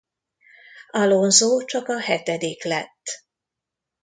Alonso csak a hetedik lett.